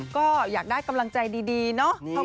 ก็อยากได้กำลังใจดีเนาะ